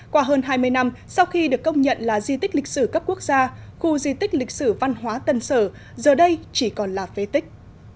qua hơn hai mươi năm sau khi được công nhận là di tích lịch sử cấp quốc gia khu di tích lịch sử văn hóa tân sở giờ đây chỉ còn là phế tích